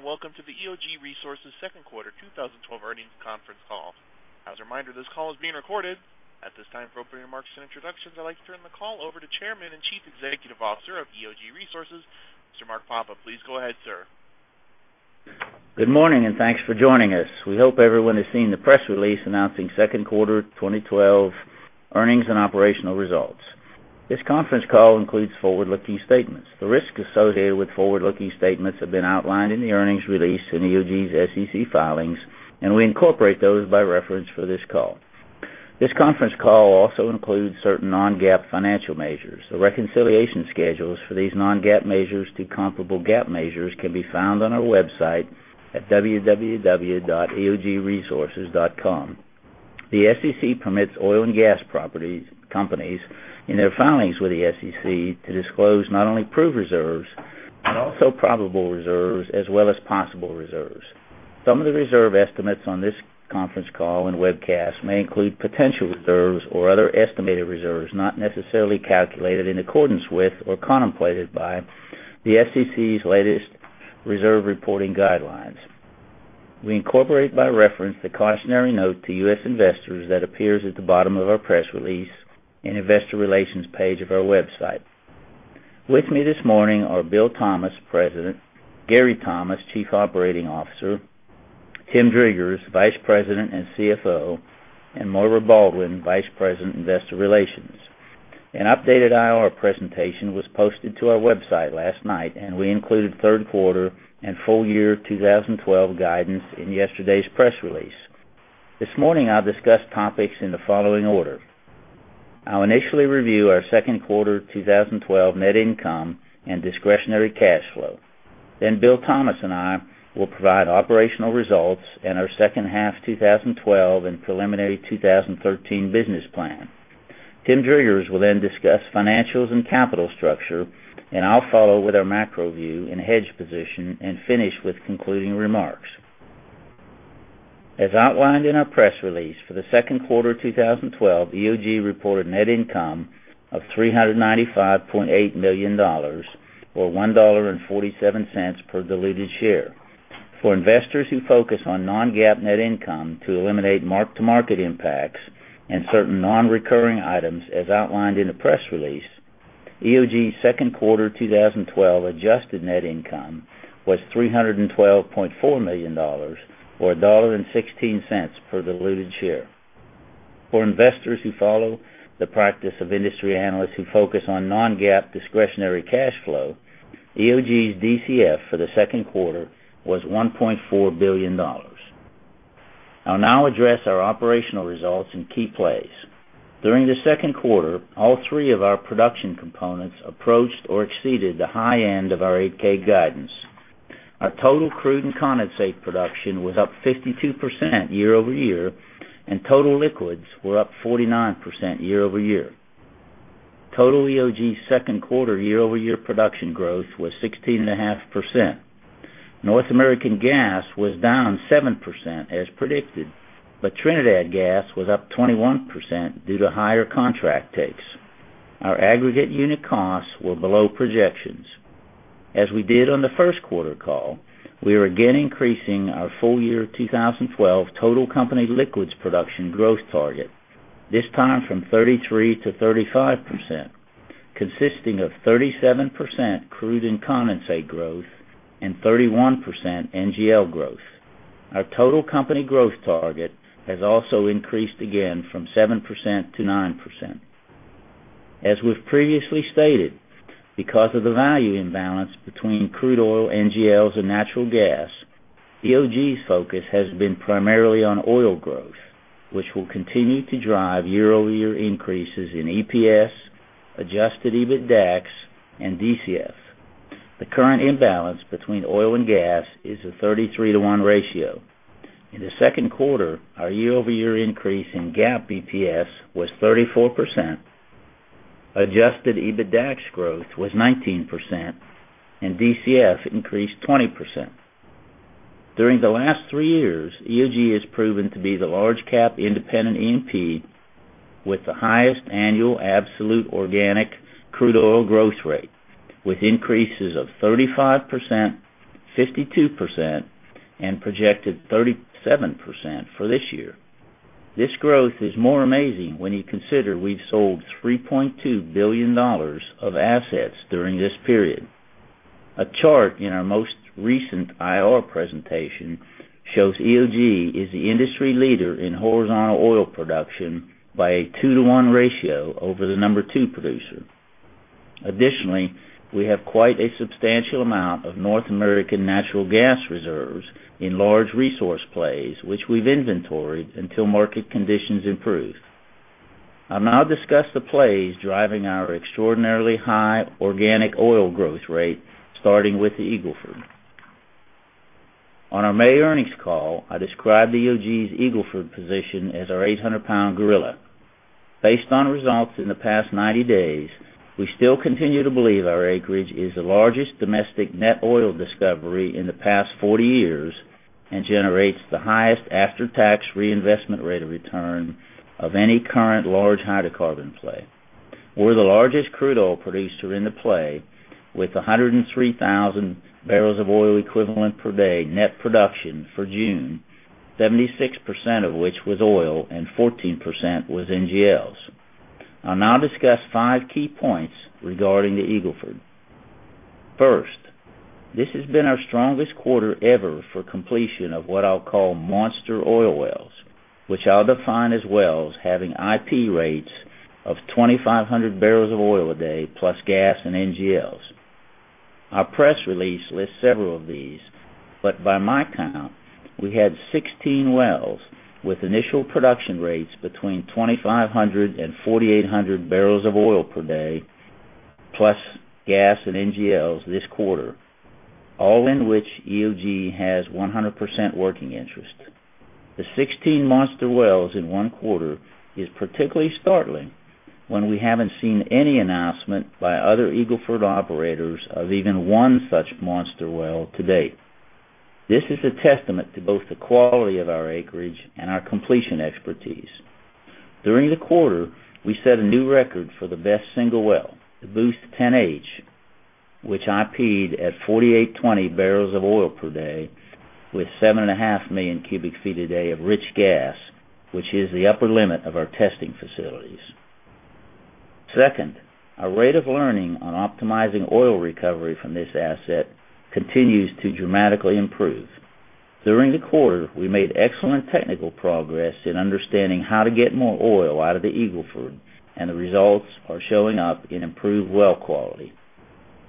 Good day, everyone, welcome to the EOG Resources second quarter 2012 earnings conference call. As a reminder, this call is being recorded. At this time, for opening remarks and introductions, I'd like to turn the call over to Chairman and Chief Executive Officer of EOG Resources, Mr. Mark Papa. Please go ahead, sir. Good morning, thanks for joining us. We hope everyone has seen the press release announcing second quarter 2012 earnings and operational results. This conference call includes forward-looking statements. The risks associated with forward-looking statements have been outlined in the earnings release in EOG's SEC filings, we incorporate those by reference for this call. This conference call also includes certain non-GAAP financial measures. The reconciliation schedules for these non-GAAP measures to comparable GAAP measures can be found on our website at www.eogresources.com. The SEC permits oil and gas companies, in their filings with the SEC, to disclose not only proof reserves, also probable reserves, as well as possible reserves. Some of the reserve estimates on this conference call and webcast may include potential reserves or other estimated reserves not necessarily calculated in accordance with or contemplated by the SEC's latest reserve reporting guidelines. We incorporate by reference the cautionary note to U.S. investors that appears at the bottom of our press release and investor relations page of our website. With me this morning are Bill Thomas, President, Gary Thomas, Chief Operating Officer, Tim Driggers, Vice President and CFO, Moira Baldwin, Vice President, Investor Relations. An updated IR presentation was posted to our website last night, we included third quarter and full year 2012 guidance in yesterday's press release. This morning, I'll discuss topics in the following order. I'll initially review our second quarter 2012 net income and discretionary cash flow. Bill Thomas and I will provide operational results and our second half 2012 and preliminary 2013 business plan. Tim Driggers will discuss financials and capital structure, I'll follow with our macro view and hedge position and finish with concluding remarks. As outlined in our press release, for the second quarter 2012, EOG reported net income of $395.8 million, or $1.47 per diluted share. For investors who focus on non-GAAP net income to eliminate mark-to-market impacts and certain non-recurring items, as outlined in the press release, EOG's second quarter 2012 adjusted net income was $312.4 million, or $1.16 per diluted share. For investors who follow the practice of industry analysts who focus on non-GAAP discretionary cash flow, EOG's DCF for the second quarter was $1.4 billion. I'll now address our operational results in key plays. During the second quarter, all three of our production components approached or exceeded the high end of our 8-K guidance. Our total crude and condensate production was up 52% year-over-year, total liquids were up 49% year-over-year. Total EOG second quarter year-over-year production growth was 16.5%. North American gas was down 7% as predicted, but Trinidad gas was up 21% due to higher contract takes. Our aggregate unit costs were below projections. As we did on the first quarter call, we are again increasing our full year 2012 total company liquids production growth target, this time from 33%-35%, consisting of 37% crude and condensate growth and 31% NGL growth. Our total company growth target has also increased again from 7%-9%. As we've previously stated, because of the value imbalance between crude oil, NGLs, and natural gas, EOG's focus has been primarily on oil growth, which will continue to drive year-over-year increases in EPS, adjusted EBITDAX, and DCF. The current imbalance between oil and gas is a 33:1 ratio. In the second quarter, our year-over-year increase in GAAP EPS was 34%, adjusted EBITDAX growth was 19%, and DCF increased 20%. During the last three years, EOG has proven to be the large cap independent E&P with the highest annual absolute organic crude oil growth rate, with increases of 35%, 52%, and projected 37% for this year. This growth is more amazing when you consider we've sold $3.2 billion of assets during this period. A chart in our most recent IR presentation shows EOG is the industry leader in horizontal oil production by a 2:1 ratio over the number two producer. Additionally, we have quite a substantial amount of North American natural gas reserves in large resource plays, which we've inventoried until market conditions improve. I'll now discuss the plays driving our extraordinarily high organic oil growth rate, starting with the Eagle Ford. On our May earnings call, I described EOG's Eagle Ford position as our 800-pound gorilla. Based on results in the past 90 days, we still continue to believe our acreage is the largest domestic net oil discovery in the past 40 years and generates the highest after-tax reinvestment rate of return of any current large hydrocarbon play. We're the largest crude oil producer in the play, with 103,000 barrels of oil equivalent per day net production for June, 76% of which was oil and 14% was NGLs. I'll now discuss five key points regarding the Eagle Ford. First, this has been our strongest quarter ever for completion of what I'll call monster oil wells, which I'll define as wells having IP rates of 2,500 barrels of oil a day, plus gas and NGLs. Our press release lists several of these, but by my count, we had 16 wells with initial production rates between 2,500 and 4,800 barrels of oil per day, plus gas and NGLs this quarter, all in which EOG has 100% working interest. The 16 monster wells in one quarter is particularly startling when we haven't seen any announcement by other Eagle Ford operators of even one such monster well to date. This is a testament to both the quality of our acreage and our completion expertise. During the quarter, we set a new record for the best single well, the Boost-10H, which IP'd at 4,820 barrels of oil per day with seven and a half million cubic feet a day of rich gas, which is the upper limit of our testing facilities. Second, our rate of learning on optimizing oil recovery from this asset continues to dramatically improve. During the quarter, we made excellent technical progress in understanding how to get more oil out of the Eagle Ford, and the results are showing up in improved well quality.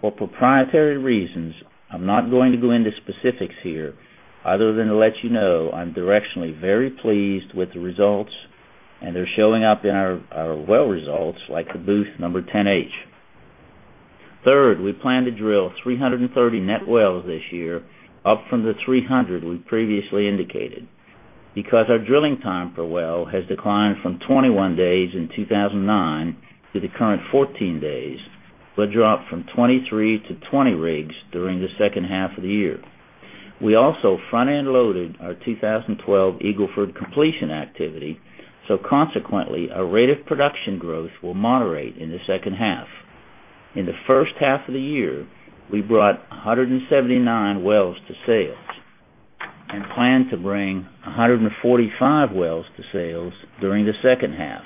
For proprietary reasons, I'm not going to go into specifics here other than to let you know I'm directionally very pleased with the results, and they're showing up in our well results like the Boost number 10H. We plan to drill 330 net wells this year, up from the 300 we previously indicated. Because our drilling time per well has declined from 21 days in 2009 to the current 14 days, we'll drop from 23 to 20 rigs during the second half of the year. We also front-end loaded our 2012 Eagle Ford completion activity, consequently, our rate of production growth will moderate in the second half. In the first half of the year, we brought 179 wells to sales and plan to bring 145 wells to sales during the second half.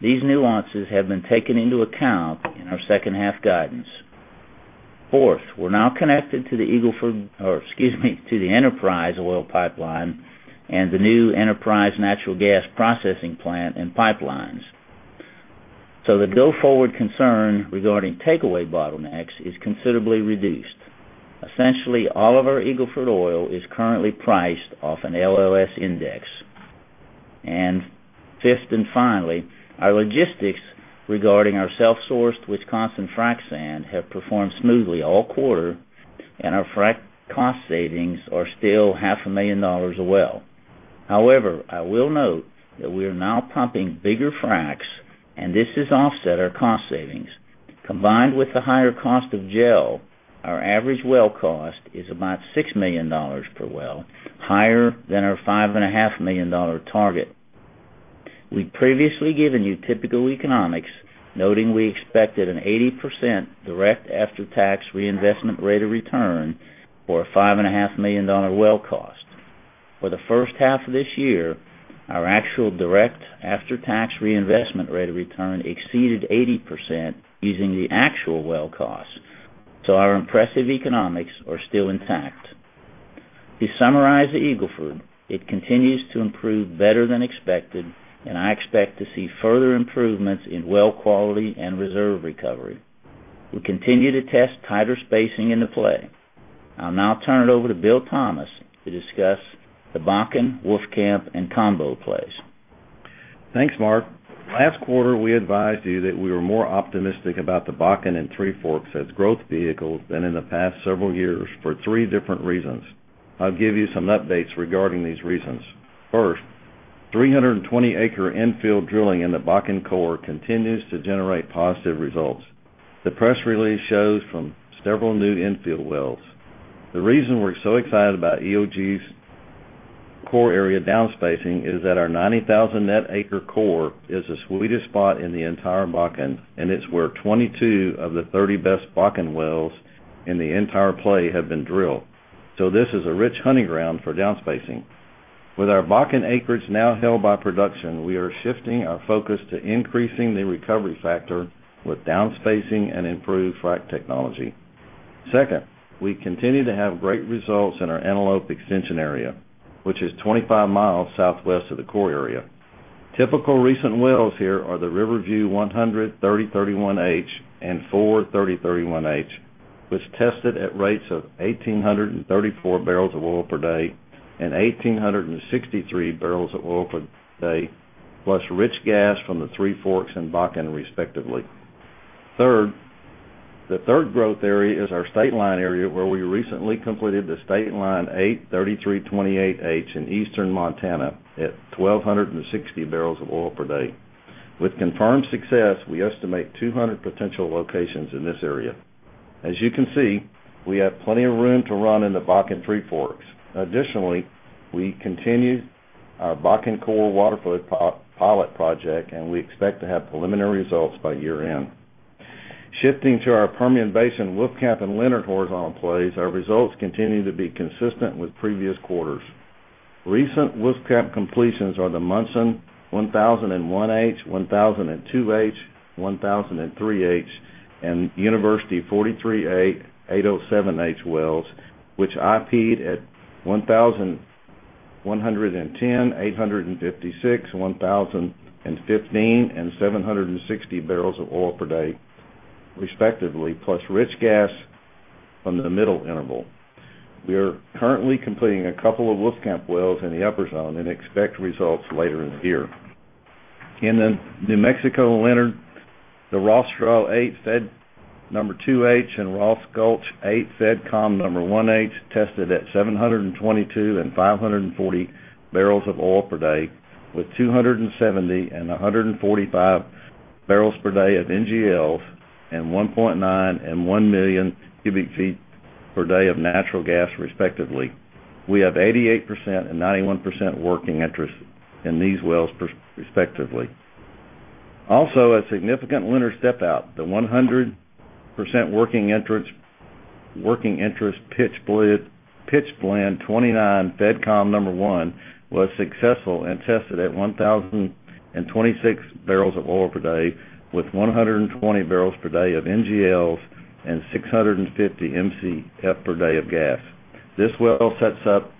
These nuances have been taken into account in our second half guidance. We're now connected to the Eagle Ford, or excuse me, to the Enterprise Oil Pipeline and the new Enterprise Natural Gas Processing Plant and Pipelines. The go-forward concern regarding takeaway bottlenecks is considerably reduced. Essentially, all of our Eagle Ford oil is currently priced off an LLS index. Fifth and finally, our logistics regarding our self-sourced Wisconsin frac sand have performed smoothly all quarter, and our frac cost savings are still half a million dollars a well. However, I will note that we are now pumping bigger fracs, and this has offset our cost savings. Combined with the higher cost of gel, our average well cost is about $6 million per well, higher than our $5.5 million target. We've previously given you typical economics, noting we expected an 80% direct after-tax reinvestment rate of return for a $5.5 million well cost. For the first half of this year, our actual direct after-tax reinvestment rate of return exceeded 80% using the actual well cost. Our impressive economics are still intact. To summarize the Eagle Ford, it continues to improve better than expected, and I expect to see further improvements in well quality and reserve recovery. We continue to test tighter spacing in the play. I'll now turn it over to Bill Thomas to discuss the Bakken, Wolfcamp, and Combo plays. Thanks, Mark. Last quarter, we advised you that we were more optimistic about the Bakken and Three Forks as growth vehicles than in the past several years for three different reasons. I'll give you some updates regarding these reasons. 320-acre infield drilling in the Bakken core continues to generate positive results. The press release shows from several new infield wells. The reason we're so excited about EOG's core area downspacing is that our 90,000 net acre core is the sweetest spot in the entire Bakken, and it's where 22 of the 30 best Bakken wells in the entire play have been drilled. This is a rich hunting ground for downspacing. With our Bakken acreage now held by production, we are shifting our focus to increasing the recovery factor with downspacing and improved frac technology. We continue to have great results in our Antelope Extension area, which is 25 miles southwest of the core area. Typical recent wells here are the Riverview 100-3031H and 43031H, which tested at rates of 1,834 barrels of oil per day and 1,863 barrels of oil per day, plus rich gas from the Three Forks and Bakken, respectively. The third growth area is our Stateline area, where we recently completed the Stateline 8-3328H in Eastern Montana at 1,260 barrels of oil per day. With confirmed success, we estimate 200 potential locations in this area. As you can see, we have plenty of room to run in the Bakken Three Forks. Additionally, we continue our Bakken Core Waterflood pilot project, and we expect to have preliminary results by year-end. Shifting to our Permian Basin Wolfcamp and Leonard horizontal plays, our results continue to be consistent with previous quarters. Recent Wolfcamp completions are the Munson 1001H, 1002H, 1003H, and University 43A-807H wells, which IP'd at 1,110, 856, 1015, and 760 barrels of oil per day, respectively, plus rich gas from the middle interval. We are currently completing a couple of Wolfcamp wells in the upper zone and expect results later in the year. In the New Mexico Leonard, the Ross Draw Eight Fed number 2H and Ross Gulch Eight Fed Com number 1H tested at 722 and 540 barrels of oil per day with 270 and 145 barrels per day of NGLs and 1.9 and 1 million cubic feet per day of natural gas, respectively. We have 88% and 91% working interest in these wells, respectively. A significant Leonard step-out, the 100% working interest Pitchblende 29 FedCom number 1 was successful and tested at 1,026 barrels of oil per day with 120 barrels per day of NGLs and 650 MCF per day of gas. This well sets up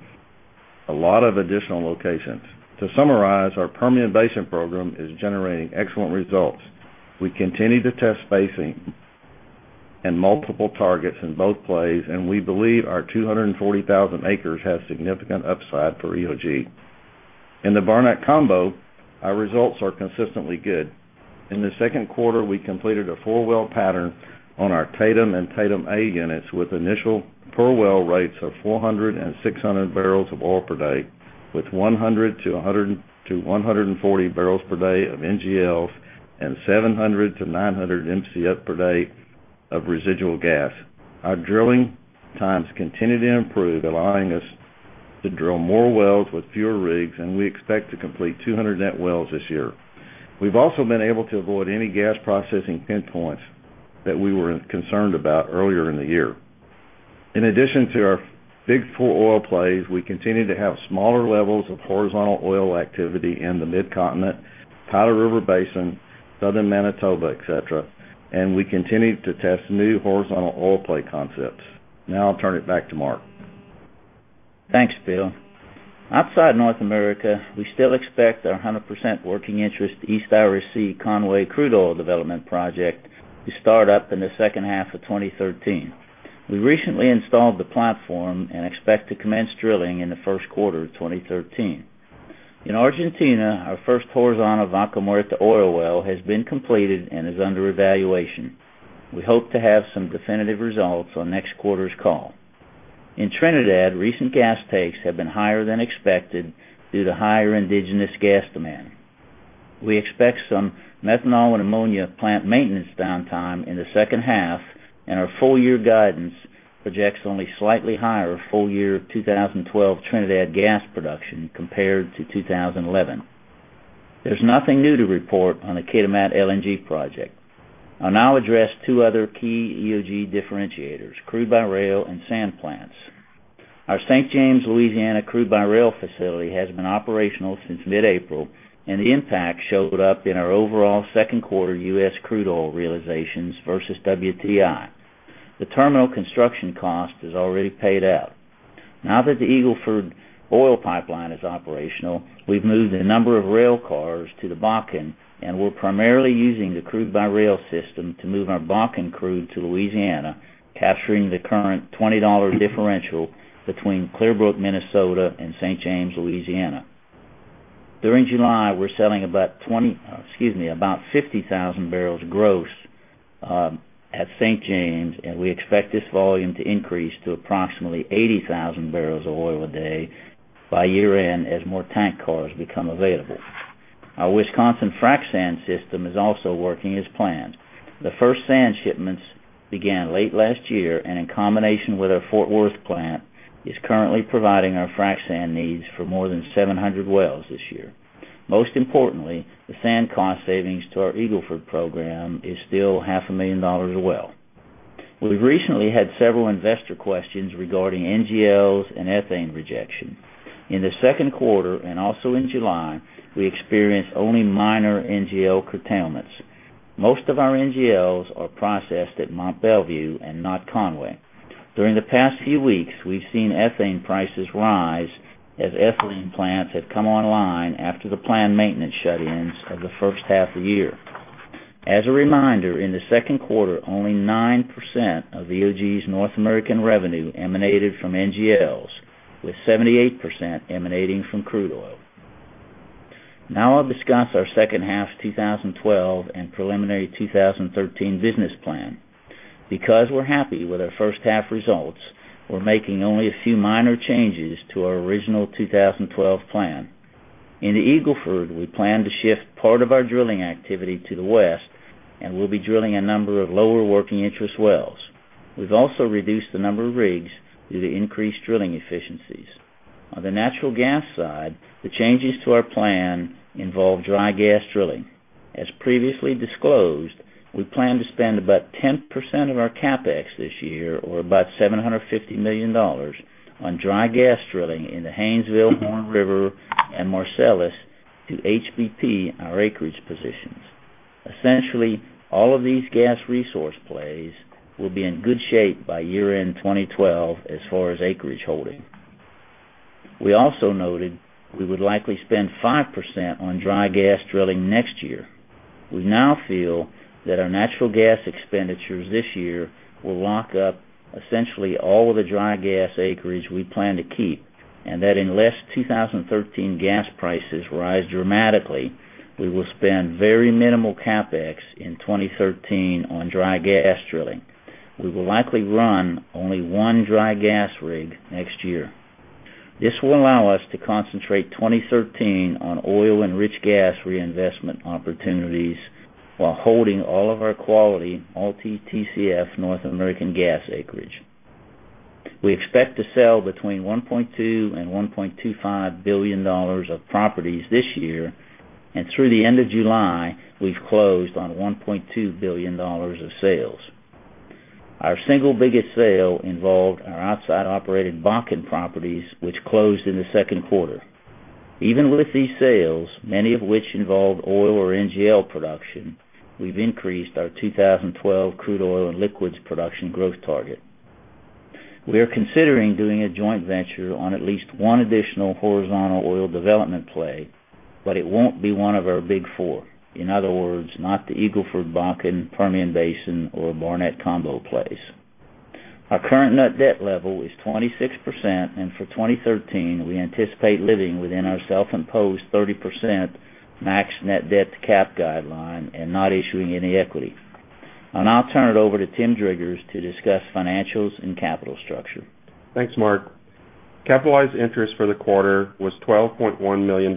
a lot of additional locations. To summarize, our Permian Basin program is generating excellent results. We continue to test spacing and multiple targets in both plays, and we believe our 240,000 acres has significant upside for EOG. In the Barnett combo, our results are consistently good. In the second quarter, we completed a four-well pattern on our Tatum and Tatum A units with initial per-well rates of 400 and 600 barrels of oil per day, with 100 to 140 barrels per day of NGLs and 700 to 900 MCF per day of residual gas. Our drilling times continue to improve, allowing us to drill more wells with fewer rigs. We expect to complete 200 net wells this year. We've also been able to avoid any gas processing pain points that we were concerned about earlier in the year. In addition to our big four oil plays, we continue to have smaller levels of horizontal oil activity in the Midcontinent, Powder River Basin, Southern Manitoba, et cetera. We continue to test new horizontal oil play concepts. Now I'll turn it back to Mark. Thanks, Bill. Outside North America, we still expect our 100% working interest East Irish Sea Conwy crude oil development project to start up in the second half of 2013. We recently installed the platform and expect to commence drilling in the first quarter of 2013. In Argentina, our first horizontal Vaca Muerta oil well has been completed and is under evaluation. We hope to have some definitive results on next quarter's call. In Trinidad, recent gas takes have been higher than expected due to higher indigenous gas demand. We expect some methanol and ammonia plant maintenance downtime in the second half, and our full-year guidance projects only slightly higher full-year 2012 Trinidad gas production compared to 2011. There's nothing new to report on the Kitimat LNG project. I'll now address two other key EOG differentiators, crude by rail and sand plants. Our St. James, Louisiana crude-by-rail facility has been operational since mid-April. The impact showed up in our overall second quarter U.S. crude oil realizations versus WTI. The terminal construction cost is already paid out. Now that the Eagle Ford Oil Pipeline is operational, we've moved a number of rail cars to the Bakken. We're primarily using the crude-by-rail system to move our Bakken crude to Louisiana, capturing the current $20 differential between Clearbrook, Minnesota, and St. James, Louisiana. During July, we're selling about 50,000 barrels gross at St. James. We expect this volume to increase to approximately 80,000 barrels of oil a day by year-end as more tank cars become available. Our Wisconsin frac sand system is also working as planned. The first sand shipments began late last year and, in combination with our Fort Worth plant, is currently providing our frac sand needs for more than 700 wells this year. Most importantly, the sand cost savings to our Eagle Ford program is still half a million dollars a well. We've recently had several investor questions regarding NGLs and ethane rejection. In the second quarter and also in July, we experienced only minor NGL curtailments. Most of our NGLs are processed at Mont Belvieu and not Conway. During the past few weeks, we've seen ethane prices rise as ethylene plants have come online after the planned maintenance shut-ins of the first half of the year. As a reminder, in the second quarter, only 9% of EOG's North American revenue emanated from NGLs, with 78% emanating from crude oil. I'll now discuss our second half 2012 and preliminary 2013 business plan. Because we're happy with our first half results, we're making only a few minor changes to our original 2012 plan. In the Eagle Ford, we plan to shift part of our drilling activity to the west. We'll be drilling a number of lower working interest wells. We've also reduced the number of rigs due to increased drilling efficiencies. On the natural gas side, the changes to our plan involve dry gas drilling. As previously disclosed, we plan to spend about 10% of our CapEx this year, or about $750 million, on dry gas drilling in the Haynesville, Horn River, and Marcellus to HBP our acreage positions. Essentially, all of these gas resource plays will be in good shape by year-end 2012 as far as acreage holding. We also noted we would likely spend 5% on dry gas drilling next year. We now feel that our natural gas expenditures this year will lock up essentially all of the dry gas acreage we plan to keep, and that unless 2013 gas prices rise dramatically, we will spend very minimal CapEx in 2013 on dry gas drilling. We will likely run only one dry gas rig next year. This will allow us to concentrate 2013 on oil and rich gas reinvestment opportunities while holding all of our quality multi-TCF North American gas acreage. We expect to sell between $1.2 billion and $1.25 billion of properties this year, and through the end of July, we've closed on $1.2 billion of sales. Our single biggest sale involved our outside operated Bakken properties, which closed in the second quarter. Even with these sales, many of which involved oil or NGL production, we've increased our 2012 crude oil and liquids production growth target. We are considering doing a joint venture on at least one additional horizontal oil development play, but it won't be one of our big four. In other words, not the Eagle Ford, Bakken, Permian Basin, or Barnett Combo plays. Our current net debt level is 26%, and for 2013, we anticipate living within our self-imposed 30% max net debt to cap guideline and not issuing any equity. I'll now turn it over to Tim Driggers to discuss financials and capital structure. Thanks, Mark. Capitalized interest for the quarter was $12.1 million.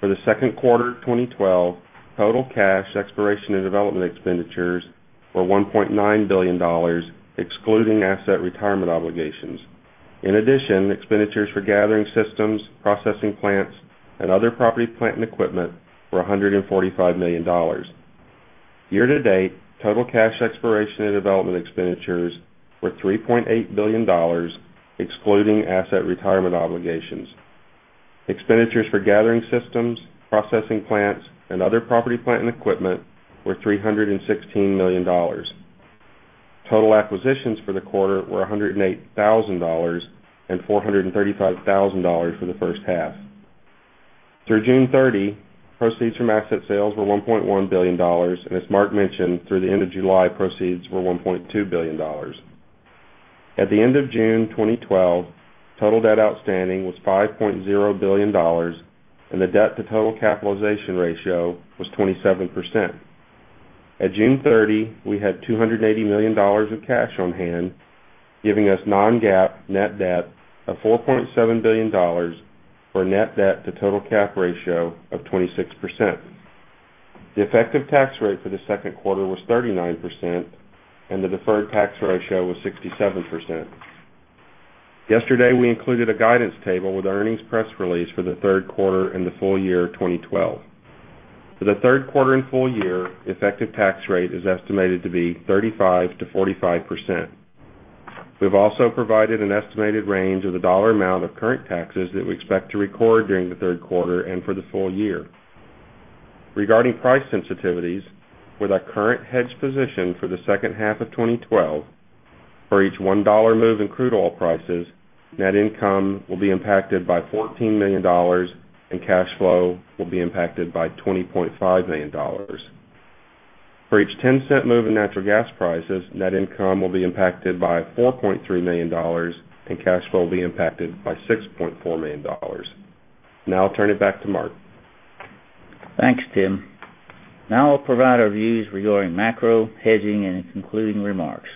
For the second quarter 2012, total cash exploration and development expenditures were $1.9 billion, excluding asset retirement obligations. In addition, expenditures for gathering systems, processing plants, and other property, plant, and equipment were $145 million. Year-to-date, total cash exploration and development expenditures were $3.8 billion, excluding asset retirement obligations. Expenditures for gathering systems, processing plants, and other property, plant, and equipment were $316 million. Total acquisitions for the quarter were $108,000 and $435,000 for the first half. Through June 30, proceeds from asset sales were $1.1 billion. As Mark mentioned, through the end of July, proceeds were $1.2 billion. At the end of June 2012, total debt outstanding was $5.0 billion, and the debt to total capitalization ratio was 27%. At June 30, we had $280 million of cash on hand, giving us non-GAAP net debt of $4.7 billion, for a net debt to total cap ratio of 26%. The effective tax rate for the second quarter was 39%, and the deferred tax ratio was 67%. Yesterday, we included a guidance table with earnings press release for the third quarter and the full year 2012. For the third quarter and full year, effective tax rate is estimated to be 35%-45%. We've also provided an estimated range of the dollar amount of current taxes that we expect to record during the third quarter and for the full year. Regarding price sensitivities, with our current hedge position for the second half of 2012, for each $1 move in crude oil prices, net income will be impacted by $14 million, and cash flow will be impacted by $20.5 million. For each $0.10 move in natural gas prices, net income will be impacted by $4.3 million, and cash flow will be impacted by $6.4 million. I'll turn it back to Mark. Thanks, Tim. I'll provide our views regarding macro hedging and concluding remarks.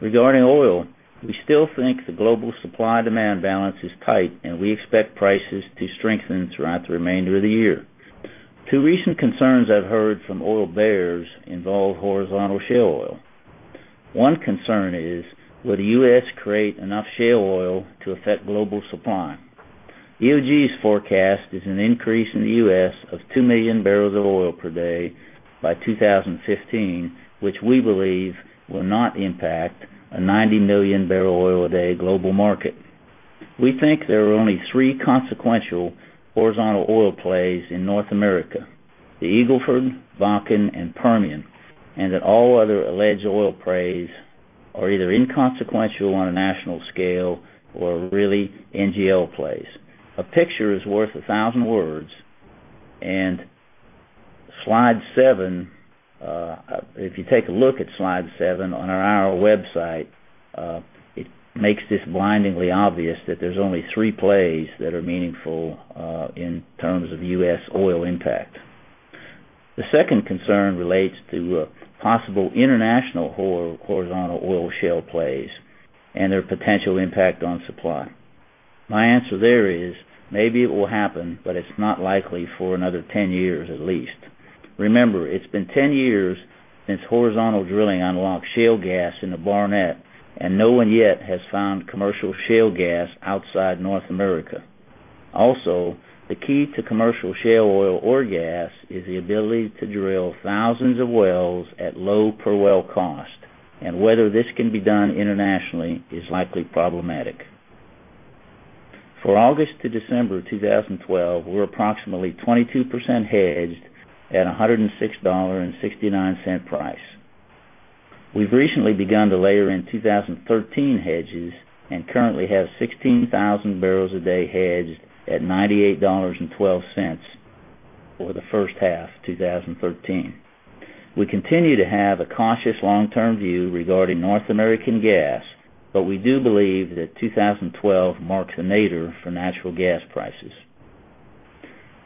Regarding oil, we still think the global supply-demand balance is tight, and we expect prices to strengthen throughout the remainder of the year. Two recent concerns I've heard from oil bears involve horizontal shale oil. One concern is: Will the U.S. create enough shale oil to affect global supply? EOG's forecast is an increase in the U.S. of 2 million barrels of oil per day by 2015, which we believe will not impact a 90-million-barrel oil a day global market. We think there are only three consequential horizontal oil plays in North America, the Eagle Ford, Bakken, and Permian, and that all other alleged oil plays are either inconsequential on a national scale or really NGL plays. A picture is worth a thousand words, if you take a look at slide seven on our website, it makes this blindingly obvious that there's only three plays that are meaningful in terms of U.S. oil impact. The second concern relates to possible international horizontal oil shale plays and their potential impact on supply. My answer there is, maybe it will happen, it's not likely for another 10 years at least. Remember, it's been 10 years since horizontal drilling unlocked shale gas in the Barnett, no one yet has found commercial shale gas outside North America. Also, the key to commercial shale oil or gas is the ability to drill thousands of wells at low per well cost, whether this can be done internationally is likely problematic. For August to December 2012, we're approximately 22% hedged at $106.69 price. We've recently begun to layer in 2013 hedges and currently have 16,000 barrels a day hedged at $98.12 for the first half 2013. We continue to have a cautious long-term view regarding North American gas, we do believe that 2012 marks a nadir for natural gas prices.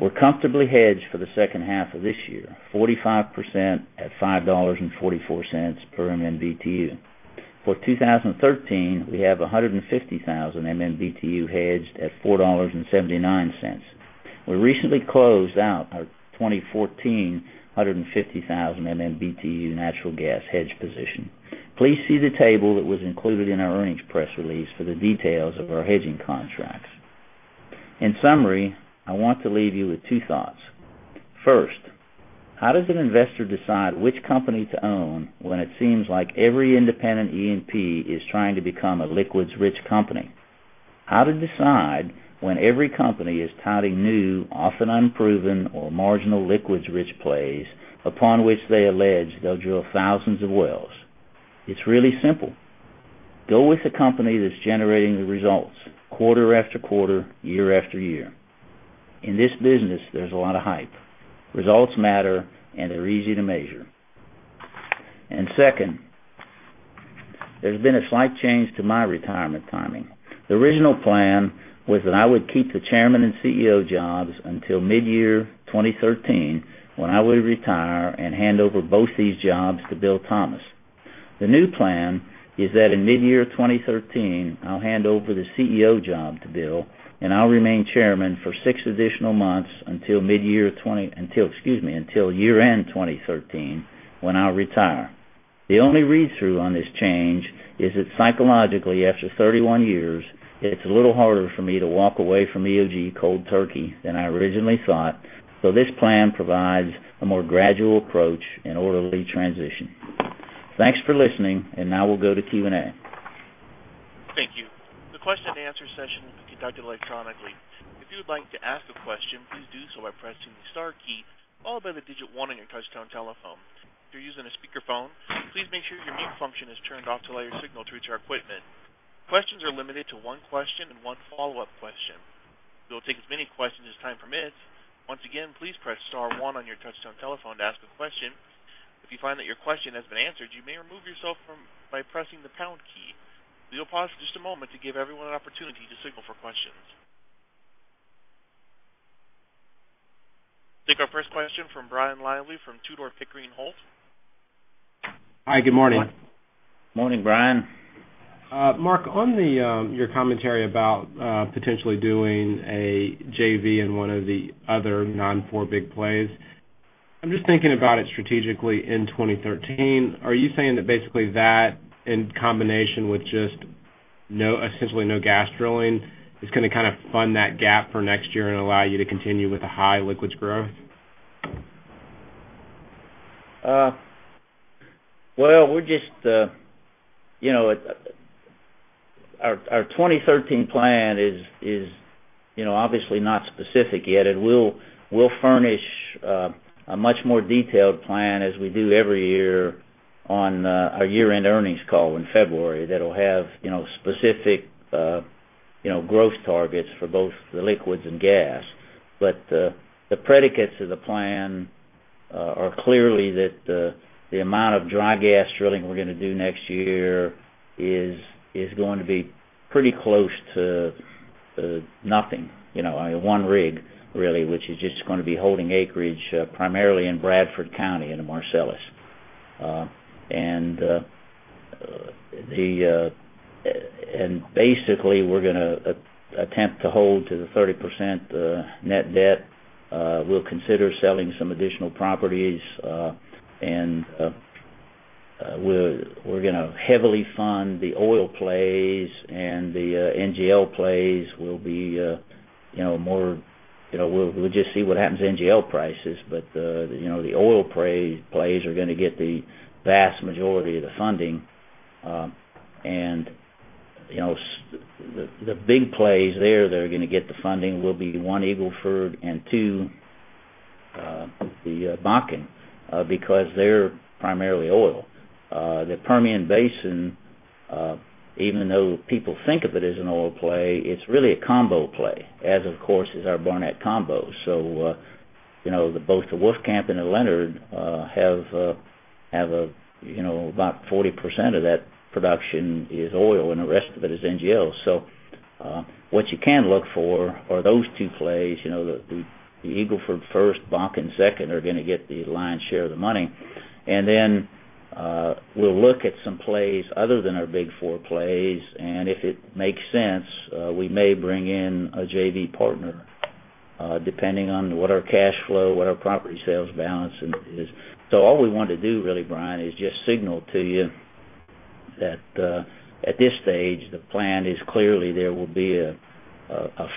We're comfortably hedged for the second half of this year, 45% at $5.44 per MMBtu. For 2013, we have 150,000 MMBtu hedged at $4.79. We recently closed out our 2014 150,000 MMBtu natural gas hedge position. Please see the table that was included in our earnings press release for the details of our hedging contracts. In summary, I want to leave you with two thoughts. First, how does an investor decide which company to own when it seems like every independent E&P is trying to become a liquids rich company? How to decide when every company is touting new, often unproven or marginal liquids rich plays upon which they allege they'll drill thousands of wells? It's really simple. Go with the company that's generating the results quarter after quarter, year after year. In this business, there's a lot of hype. Results matter, and they're easy to measure. Second, there's been a slight change to my retirement timing. The original plan was that I would keep the Chairman and CEO jobs until mid-year 2013, when I would retire and hand over both these jobs to Bill Thomas. The new plan is that in mid-year 2013, I'll hand over the CEO job to Bill, and I'll remain Chairman for six additional months until year end 2013, when I'll retire. The only read-through on this change is that psychologically, after 31 years, it's a little harder for me to walk away from EOG cold turkey than I originally thought. This plan provides a more gradual approach and orderly transition. Thanks for listening. Now we'll go to Q&A. Thank you. The question and answer session will be conducted electronically. If you would like to ask a question, please do so by pressing the star key, followed by the digit one on your touchtone telephone. If you're using a speakerphone, please make sure your mute function is turned off to allow your signal to reach our equipment. Questions are limited to one question and one follow-up question. We will take as many questions as time permits. Once again, please press star one on your touchtone telephone to ask a question. If you find that your question has been answered, you may remove yourself by pressing the pound key. We will pause for just a moment to give everyone an opportunity to signal for questions. Take our first question from Brian Lively from Tudor, Pickering, Holt. Hi, good morning. Morning, Brian. Mark, on your commentary about potentially doing a JV in one of the other non-four big plays, I'm just thinking about it strategically in 2013. Are you saying that basically that in combination with just essentially no gas drilling is going to fund that gap for next year and allow you to continue with the high liquids growth? Well, our 2013 plan is obviously not specific yet. We'll furnish a much more detailed plan as we do every year on our year-end earnings call in February that'll have specific gross targets for both the liquids and gas. The predicates of the plan are clearly that the amount of dry gas drilling we're going to do next year is going to be pretty close to nothing. One rig, really, which is just going to be holding acreage primarily in Bradford County in the Marcellus. Basically, we're going to attempt to hold to the 30% net debt. We'll consider selling some additional properties, and we're going to heavily fund the oil plays and the NGL plays. We'll just see what happens to NGL prices, but the oil plays are going to get the vast majority of the funding. The big plays there that are going to get the funding will be, one, Eagle Ford, and two, the Bakken, because they're primarily oil. The Permian Basin, even though people think of it as an oil play, it's really a combo play, as, of course, is our Barnett combo. Both the Wolfcamp and the Leonard have about 40% of that production is oil, and the rest of it is NGL. What you can look for are those two plays, the Eagle Ford first, Bakken second, are going to get the lion's share of the money. Then we'll look at some plays other than our big four plays, and if it makes sense, we may bring in a JV partner, depending on what our cash flow, what our property sales balance is. All we want to do really, Brian, is just signal to you that at this stage, the plan is clearly there will be a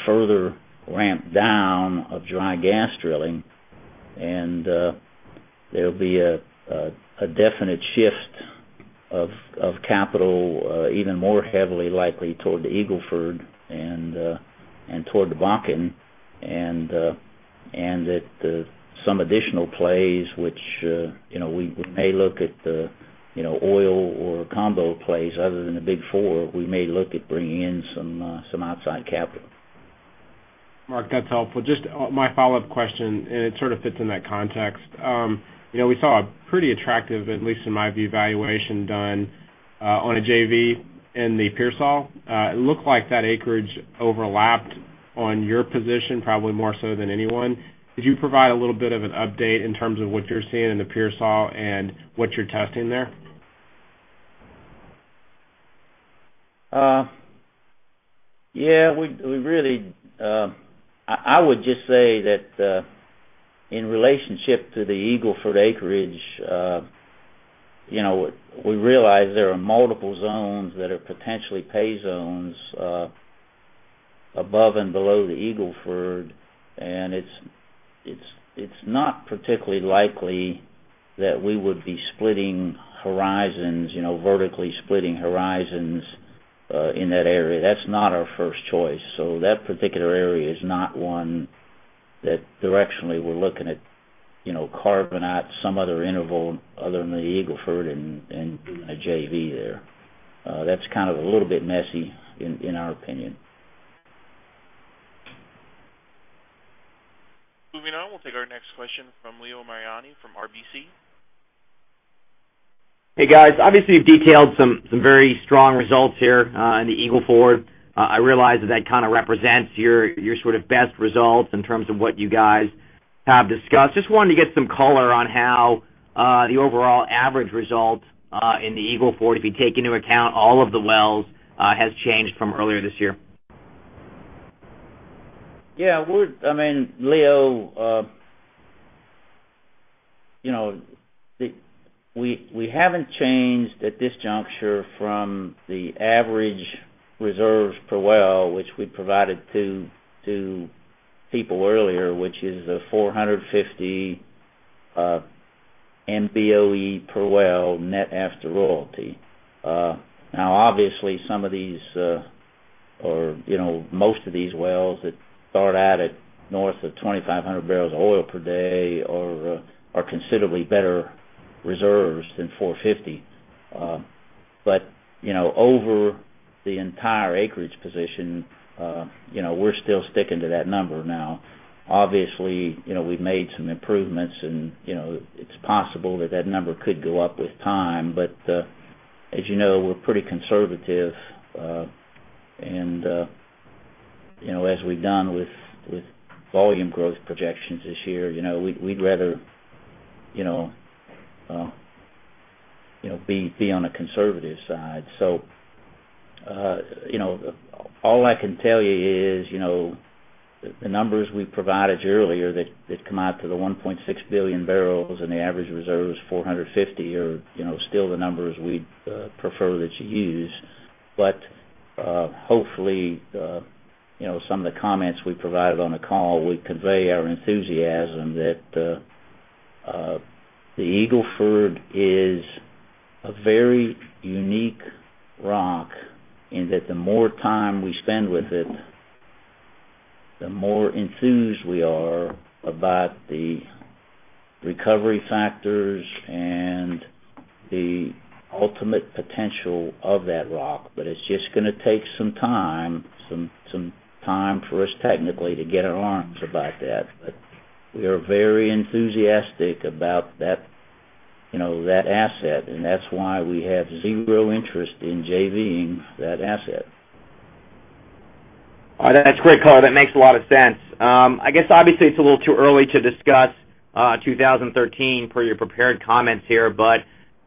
further ramp down of dry gas drilling, and there'll be a definite shift of capital, even more heavily likely toward the Eagle Ford and toward the Bakken, and that some additional plays, which we may look at the oil or combo plays other than the big four. We may look at bringing in some outside capital. Mark, that's helpful. Just my follow-up question, and it sort of fits in that context. We saw a pretty attractive, at least in my view, valuation done on a JV in the Pearsall. It looked like that acreage overlapped on your position, probably more so than anyone. Could you provide a little bit of an update in terms of what you're seeing in the Pearsall and what you're testing there? I would just say that in relationship to the Eagle Ford acreage, we realize there are multiple zones that are potentially pay zones above and below the Eagle Ford, and it's not particularly likely that we would be splitting horizons, vertically splitting horizons in that area. That's not our first choice. That particular area is not one that directionally we're looking at carving out some other interval other than the Eagle Ford and a JV there. That's kind of a little bit messy in our opinion. Moving on, we'll take our next question from Leo Mariani from RBC. Hey, guys. Obviously, you've detailed some very strong results here in the Eagle Ford. I realize that that kind of represents your sort of best results in terms of what you guys have discussed. Just wanted to get some color on how the overall average results in the Eagle Ford, if you take into account all of the wells, has changed from earlier this year. Yeah. Leo, we haven't changed at this juncture from the average reserves per well, which we provided to people earlier, which is a 450 MBOE per well, net after royalty. Obviously, some of these, or most of these wells that start out at north of 2,500 barrels of oil per day are considerably better reserves than 450. Over the entire acreage position, we're still sticking to that number now. Obviously, we've made some improvements, and it's possible that that number could go up with time. As you know, we're pretty conservative, and as we've done with volume growth projections this year, we'd rather be on the conservative side. All I can tell you is, the numbers we provided you earlier that come out to the 1.6 billion barrels and the average reserve is 450 are still the numbers we'd prefer that you use. Hopefully, some of the comments we provided on the call would convey our enthusiasm that the Eagle Ford is a very unique rock, and that the more time we spend with it, the more enthused we are about the recovery factors and the ultimate potential of that rock. It's just going to take some time for us technically to get our arms about that. We are very enthusiastic about that asset, and that's why we have zero interest in JV-ing that asset. That's great, Mark. That makes a lot of sense. I guess obviously it's a little too early to discuss 2013 per your prepared comments here.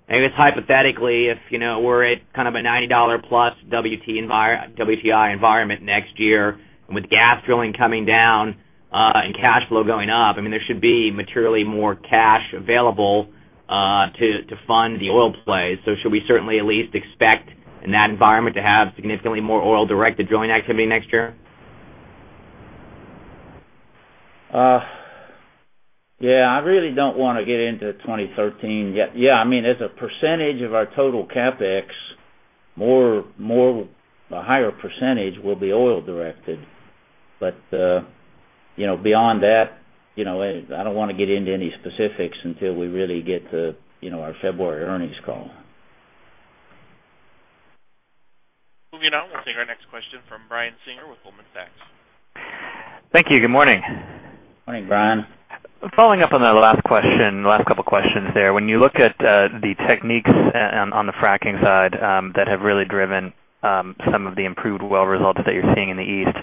Maybe it's hypothetically, if we're at kind of a $90 plus WTI environment next year, and with gas drilling coming down and cash flow going up, there should be materially more cash available to fund the oil plays. Should we certainly at least expect in that environment to have significantly more oil-directed joint activity next year? I really don't want to get into 2013 yet. As a percentage of our total CapEx, a higher percentage will be oil-directed. Beyond that, I don't want to get into any specifics until we really get to our February earnings call. Moving on. We'll take our next question from Brian Singer with Goldman Sachs. Thank you. Good morning. Morning, Brian. Following up on that last question, last couple questions there. When you look at the techniques on the fracking side that have really driven some of the improved well results that you're seeing in the east,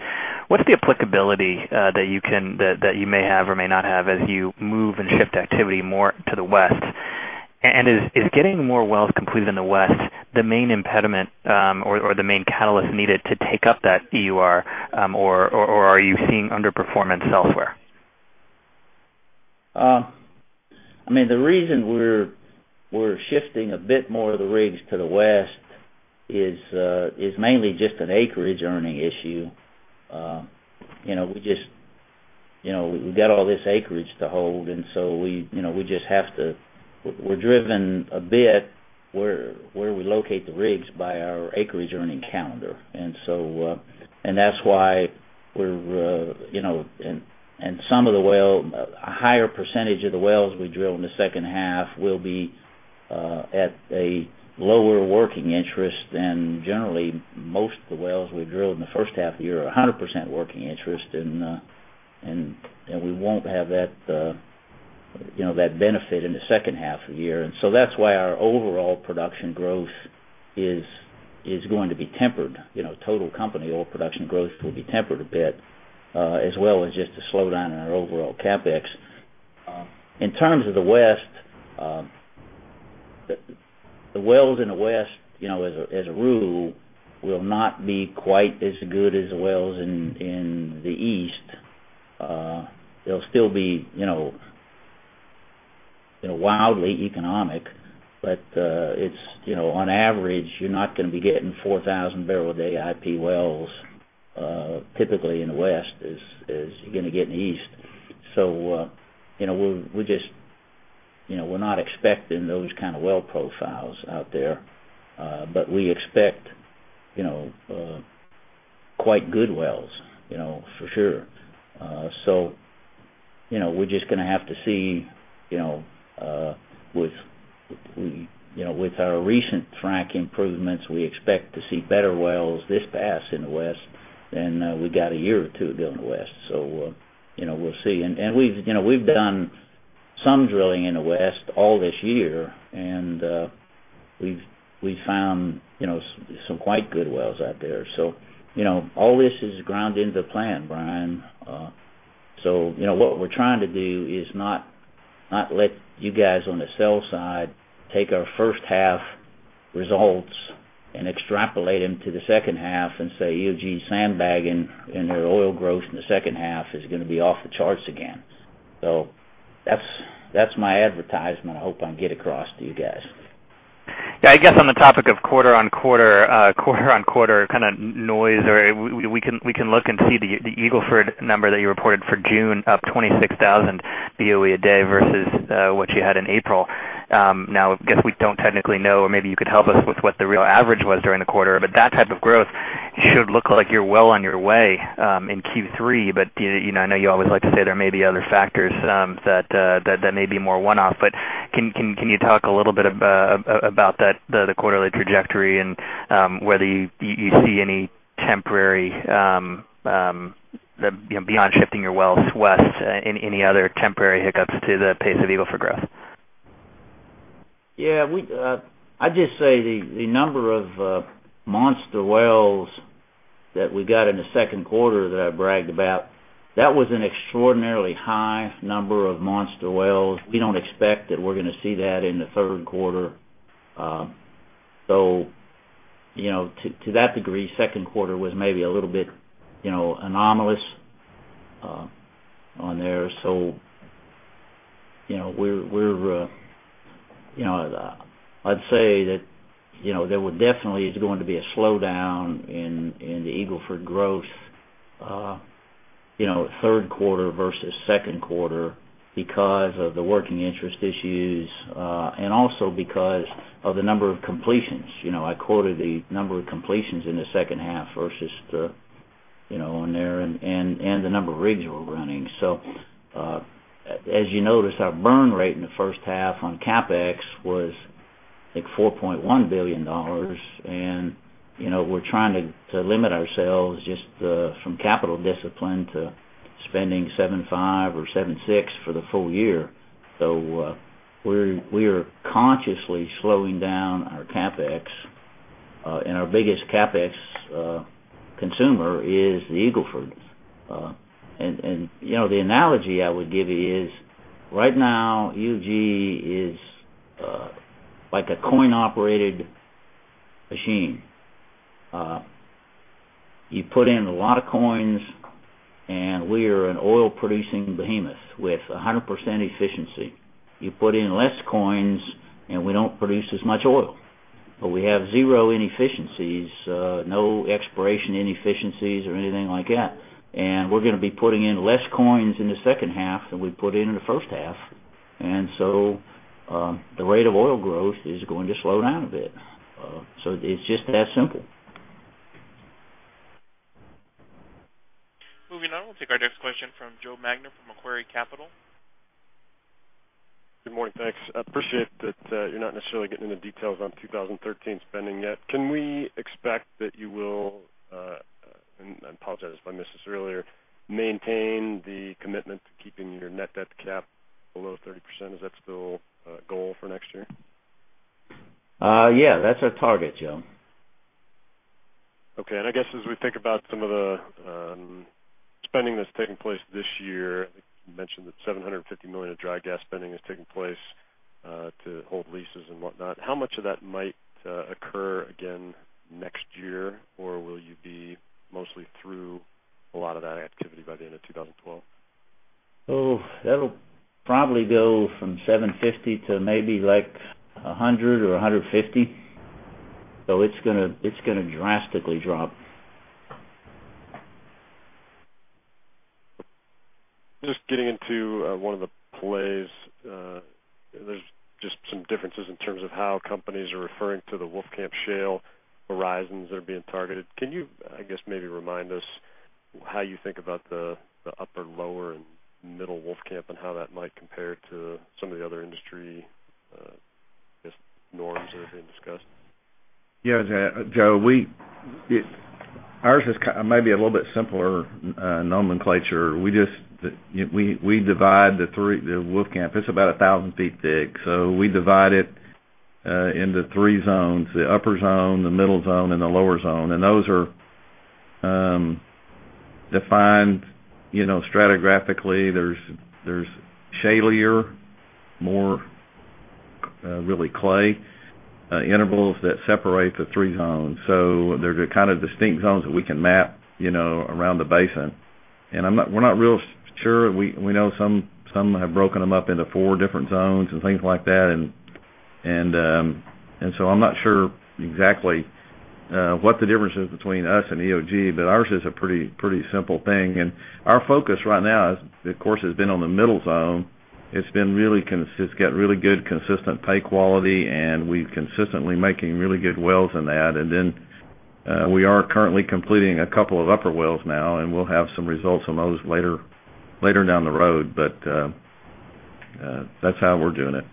what's the applicability that you may have or may not have as you move and shift activity more to the west? Is getting more wells completed in the west the main impediment or the main catalyst needed to take up that EUR, or are you seeing underperformance elsewhere? The reason we're shifting a bit more of the rigs to the west is mainly just an acreage earning issue. We've got all this acreage to hold, we're driven a bit where we locate the rigs by our acreage earning calendar. That's why a higher percentage of the wells we drill in the second half will be at a lower working interest than generally most of the wells we drilled in the first half of the year, 100% working interest, we won't have that benefit in the second half of the year. That's why our overall production growth is going to be tempered. Total company oil production growth will be tempered a bit, as well as just a slowdown in our overall CapEx. In terms of the west, the wells in the west, as a rule, will not be quite as good as the wells in the east. They'll still be wildly economic, but on average, you're not going to be getting 4,000 barrel a day IP wells typically in the west as you're going to get in the east. We're not expecting those kind of well profiles out there. We expect quite good wells for sure. We're just going to have to see. With our recent frack improvements, we expect to see better wells this pass in the west, and we got a year or two to go in the west. We'll see. We've done some drilling in the west all this year, we've found some quite good wells out there. All this is ground into the plan, Brian. What we're trying to do is not let you guys on the sell side take our first half results and extrapolate them to the second half and say EOG's sandbagging, their oil growth in the second half is going to be off the charts again. That's my advertisement I hope I can get across to you guys. I guess on the topic of quarter-on-quarter kind of noise, we can look and see the Eagle Ford number that you reported for June up 26,000 BOE a day versus what you had in April. Guess we don't technically know, or maybe you could help us with what the real average was during the quarter, but that type of growth should look like you're well on your way in Q3. I know you always like to say there may be other factors that may be more one-off. Can you talk a little bit about the quarterly trajectory and whether you see any temporary, beyond shifting your wells west, any other temporary hiccups to the pace of Eagle Ford growth? I'd just say the number of monster wells that we got in the second quarter that I bragged about, that was an extraordinarily high number of monster wells. We don't expect that we're going to see that in the third quarter. To that degree, second quarter was maybe a little bit anomalous on there. I'd say that there would definitely is going to be a slowdown in the Eagle Ford growth third quarter versus second quarter because of the working interest issues, and also because of the number of completions. I quoted the number of completions in the second half versus on there, and the number of rigs we're running. As you notice, our burn rate in the first half on CapEx was, I think, $4.1 billion. We're trying to limit ourselves just from capital discipline to spending $7.5 billion or $7.6 billion for the full year. We are consciously slowing down our CapEx, and our biggest CapEx consumer is the Eagle Ford. The analogy I would give you is, right now, EOG is like a coin-operated machine. You put in a lot of coins, and we are an oil-producing behemoth with 100% efficiency. You put in less coins, and we don't produce as much oil, but we have zero inefficiencies, no exploration inefficiencies or anything like that. We're going to be putting in less coins in the second half than we put in in the first half. The rate of oil growth is going to slow down a bit. It's just that simple. Moving on. We'll take our next question from Joe Magner from Macquarie Capital. Good morning. Thanks. I appreciate that you're not necessarily getting into details on 2013 spending yet. Can we expect that you will, and I apologize if I missed this earlier, maintain the commitment to keeping your net debt cap below 30%? Is that still a goal for next year? Yeah, that's our target, Joe. Okay. I guess as we think about some of the spending that's taking place this year, I think you mentioned that $750 million of dry gas spending is taking place to hold leases and whatnot. How much of that might occur again next year? Or will you be mostly through a lot of that activity by the end of 2012? Oh, that'll probably go from $750 to maybe like $100 or $150. It's going to drastically drop. Just getting into one of the plays. There's just some differences in terms of how companies are referring to the Wolfcamp Shale horizons that are being targeted. Can you, I guess, maybe remind us how you think about the upper, lower, and middle Wolfcamp, and how that might compare to some of the other industry, just norms that are being discussed? Yeah, Joe. Ours is maybe a little bit simpler nomenclature. We divide the Wolfcamp. It's about 1,000 feet thick. We divide it into 3 zones, the upper zone, the middle zone, and the lower zone. Those are defined stratigraphically. There's shalier, more really clay intervals that separate the 3 zones. They're the kind of distinct zones that we can map around the basin. We're not real sure. We know some have broken them up into 4 different zones and things like that. I'm not sure exactly what the difference is between us and EOG, but ours is a pretty simple thing. Our focus right now is, of course, has been on the middle zone. It's got really good, consistent pay quality, and we've consistently making really good wells in that. We are currently completing a couple of upper wells now, and we'll have some results on those later down the road. That's how we're doing it.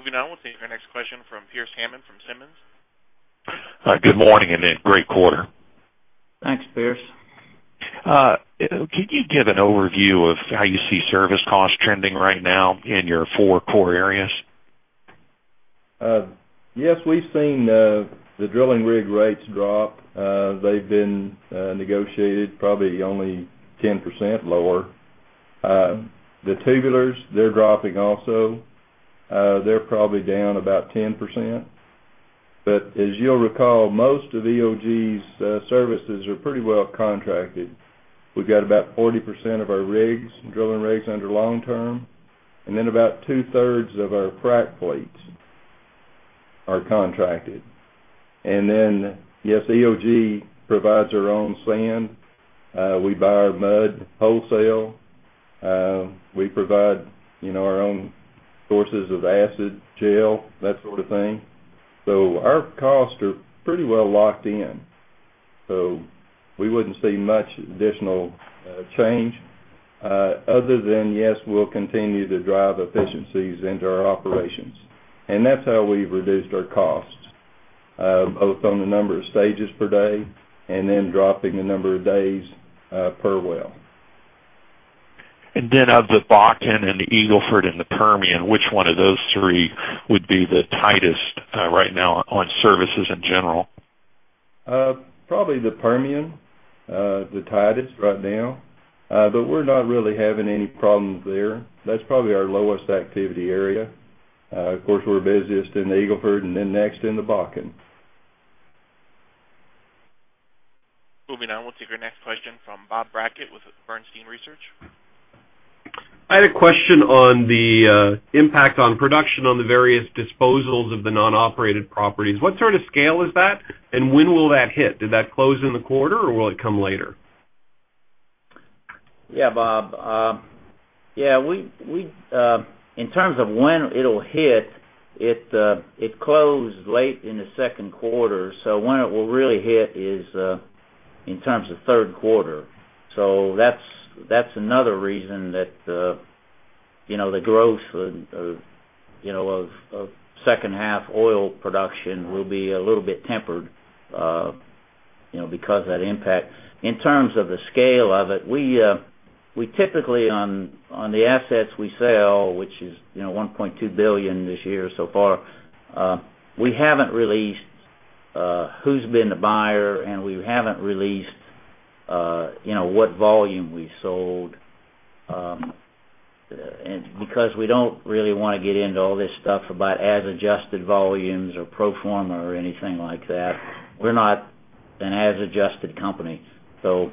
Moving on. We'll take our next question from Pearce Hammond from Simmons. Good morning. Great quarter. Thanks, Pearce. Could you give an overview of how you see service costs trending right now in your four core areas? Yes. We've seen the drilling rig rates drop. They've been negotiated probably only 10% lower. The tubulars, they're dropping also. They're probably down about 10%. As you'll recall, most of EOG's services are pretty well contracted. We've got about 40% of our rigs and drilling rigs under long-term, and then about two-thirds of our frac fleets are contracted. Yes, EOG provides our own sand. We buy our mud wholesale. We provide our own sources of acid gel, that sort of thing. Our costs are pretty well locked in, so we wouldn't see much additional change other than, yes, we'll continue to drive efficiencies into our operations. That's how we've reduced our costs, both on the number of stages per day and then dropping the number of days per well. Of the Bakken and the Eagle Ford and the Permian, which one of those three would be the tightest right now on services in general? Probably the Permian, the tightest right now. We're not really having any problems there. That's probably our lowest activity area. We're busiest in the Eagle Ford, next in the Bakken. Moving on. We'll take our next question from Bob Brackett with Bernstein Research. I had a question on the impact on production on the various disposals of the non-operated properties. What sort of scale is that, and when will that hit? Did that close in the quarter, or will it come later? Yeah, Bob. In terms of when it'll hit, it closed late in the second quarter, when it will really hit is in terms of third quarter. That's another reason that the growth of second half oil production will be a little bit tempered because of that impact. In terms of the scale of it, we typically on the assets we sell, which is $1.2 billion this year so far, we haven't released who's been the buyer, and we haven't released what volume we sold. We don't really want to get into all this stuff about as adjusted volumes or pro forma or anything like that. We're not an as-adjusted company. We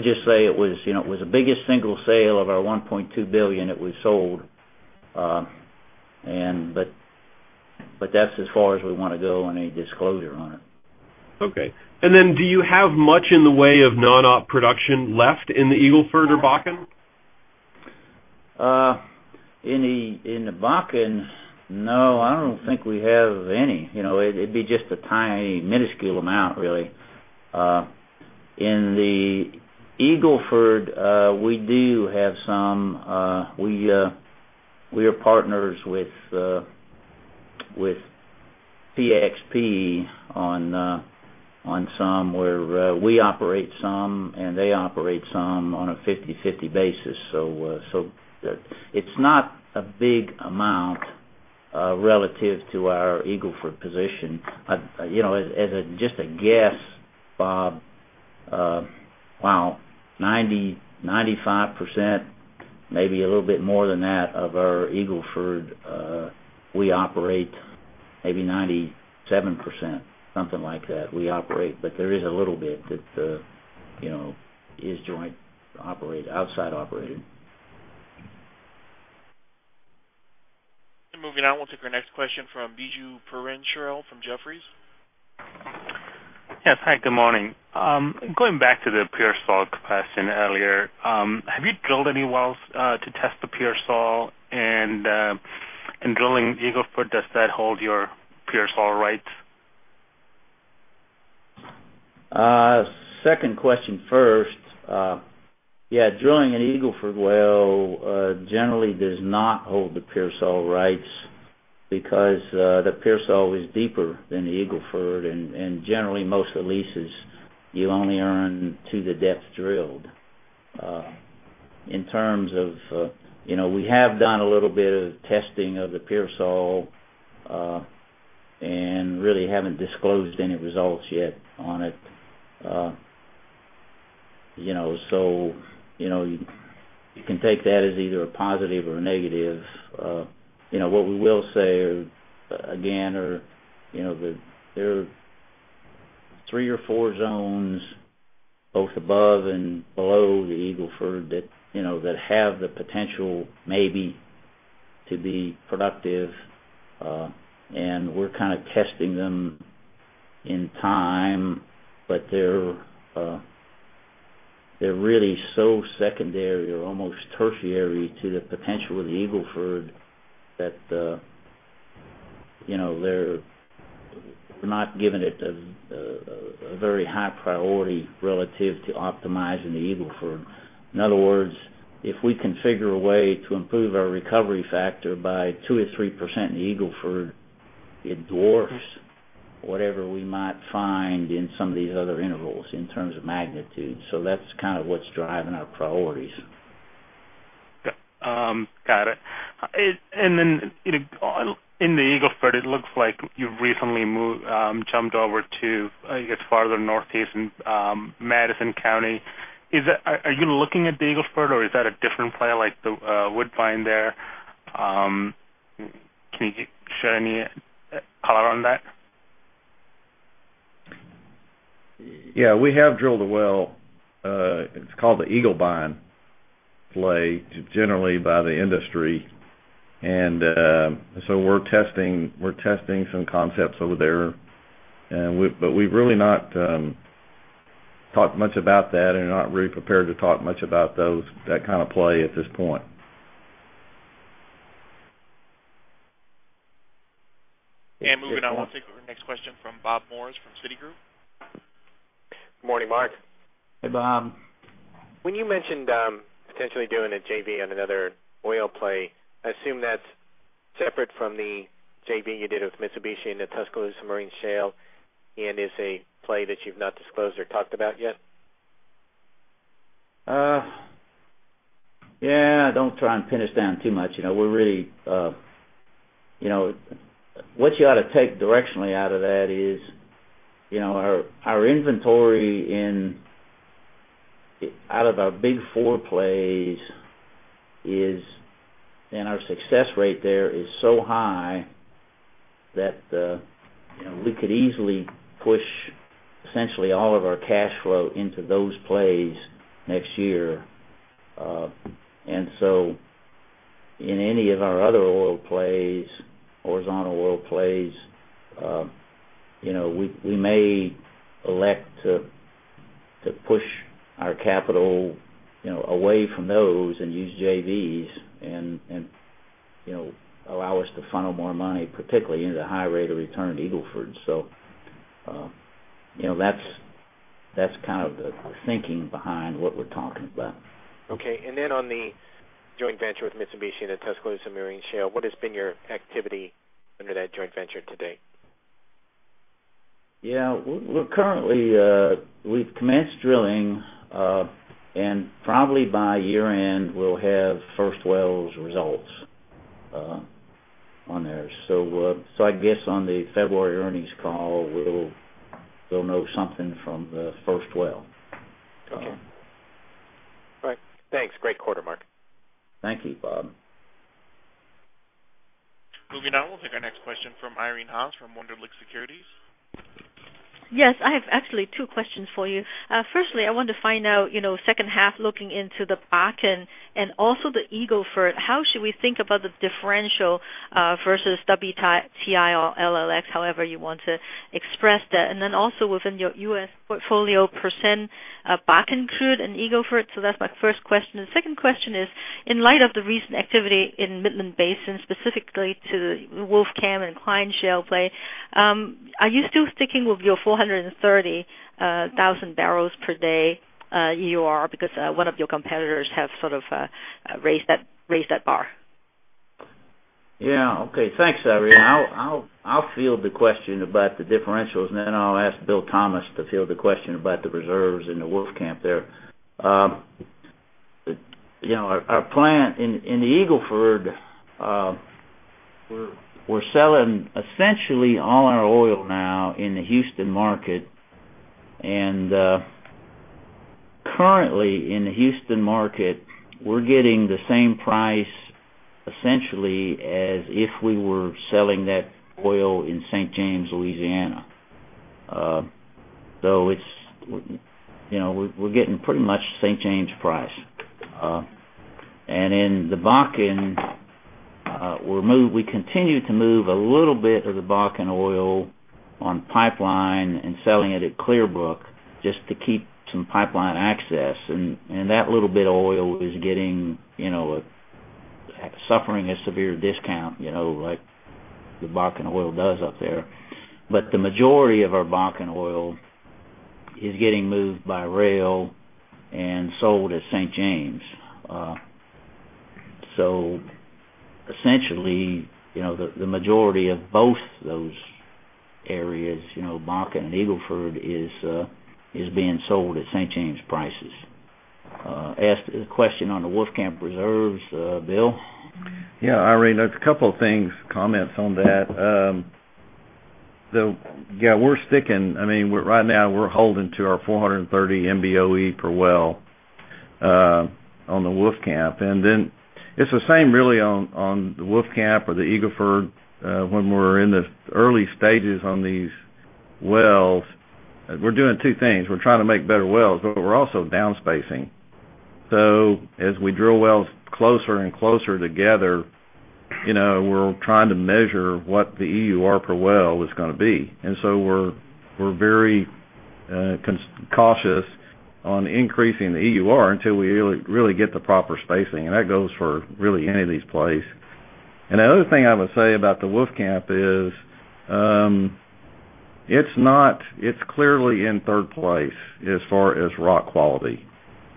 just say it was the biggest single sale of our $1.2 billion that we sold, but that's as far as we want to go on any disclosure on it. Okay. Then do you have much in the way of non-op production left in the Eagle Ford or Bakken? In the Bakken, no, I don't think we have any. It'd be just a tiny, minuscule amount, really. In the Eagle Ford, we do have some. We are partners with CPX on some, where we operate some, and they operate some on a 50/50 basis. It's not a big amount relative to our Eagle Ford position. As just a guess, Bob, wow, 90%, 95%, maybe a little bit more than that of our Eagle Ford, we operate maybe 97%, something like that, we operate. There is a little bit that is joint operated, outside operated. Moving on, we'll take our next question from Biju from Jefferies. Yes. Hi, good morning. Going back to the Pearsall question earlier, have you drilled any wells to test the Pearsall? Drilling Eagle Ford, does that hold your Pearsall rights? Second question first. Yeah, drilling an Eagle Ford well generally does not hold the Pearsall rights because the Pearsall is deeper than the Eagle Ford, and generally most of the leases, you only earn to the depth drilled. We have done a little bit of testing of the Pearsall, and really haven't disclosed any results yet on it. You can take that as either a positive or a negative. What we will say, again, there are three or four zones both above and below the Eagle Ford that have the potential maybe to be productive. We're kind of testing them in time, but they're really so secondary or almost tertiary to the potential of the Eagle Ford that we're not giving it a very high priority relative to optimizing the Eagle Ford. In other words, if we can figure a way to improve our recovery factor by 2% or 3% in Eagle Ford, it dwarfs whatever we might find in some of these other intervals in terms of magnitude. That's what's driving our priorities. Got it. In the Eagle Ford, it looks like you've recently jumped over to, I guess, farther northeast in Madison County. Are you looking at the Eagle Ford, or is that a different play, like the Woodbine there? Can you shed any color on that? Yeah, we have drilled a well. It's called the Eaglebine play, generally by the industry. We're testing some concepts over there. We've really not talked much about that and are not really prepared to talk much about that kind of play at this point. Moving on, we'll take our next question from Bob Morris from Citigroup. Good morning, Mark. Hey, Bob. When you mentioned potentially doing a JV on another oil play, I assume that's separate from the JV you did with Mitsubishi in the Tuscaloosa Marine Shale and is a play that you've not disclosed or talked about yet? Yeah, don't try and pin us down too much. What you ought to take directionally out of that is, our inventory out of our big four plays is, and our success rate there is so high that we could easily push essentially all of our cash flow into those plays next year. In any of our other oil plays, horizontal oil plays, we may elect to push our capital away from those and use JVs, and allow us to funnel more money, particularly into the high rate of return to Eagle Ford. That's the thinking behind what we're talking about. Okay. On the joint venture with Mitsubishi and the Tuscaloosa Marine Shale, what has been your activity under that joint venture to date? Yeah. We've commenced drilling, and probably by year-end, we'll have first wells results on there. I guess on the February earnings call, we'll know something from the first well. Okay. All right. Thanks. Great quarter, Mark. Thank you, Bob. Moving on, we'll take our next question from Irene Haas from Wunderlich Securities. Yes. I have actually two questions for you. Firstly, I want to find out, second half looking into the Bakken and also the Eagle Ford, how should we think about the differential, versus WTI or LLS, however you want to express that? Also within your U.S. portfolio %, Bakken crude and Eagle Ford. That's my first question. The second question is, in light of the recent activity in Midland Basin, specifically to Wolfcamp and Cline Shale play, are you still sticking with your 430,000 barrels per day EUR because one of your competitors have sort of raised that bar? Yeah. Okay. Thanks, Irene. I'll field the question about the differentials, then I'll ask William R. Thomas to field the question about the reserves in the Wolfcamp there. Our plant in the Eagle Ford, we're selling essentially all our oil now in the Houston market. Currently in the Houston market, we're getting the same price, essentially, as if we were selling that oil in St. James, Louisiana. We're getting pretty much St. James price. In the Bakken, we continue to move a little bit of the Bakken oil on pipeline and selling it at Clearbrook just to keep some pipeline access. That little bit of oil is suffering a severe discount, like the Bakken oil does up there. The majority of our Bakken oil is getting moved by rail and sold at St. James. Essentially, the majority of both those areas, Bakken and Eagle Ford, is being sold at St. James prices. As to the question on the Wolfcamp reserves, Bill? Yeah. Irene, there's a couple of things, comments on that. Right now we're holding to our 430 MBOE per well on the Wolfcamp. Then it's the same really on the Wolfcamp or the Eagle Ford, when we're in the early stages on these wells, we're doing two things. We're trying to make better wells, but we're also downspacing. As we drill wells closer and closer together, we're trying to measure what the EUR per well is going to be. We're very cautious on increasing the EUR until we really get the proper spacing, and that goes for really any of these plays. The other thing I would say about the Wolfcamp is, it's clearly in third place as far as rock quality.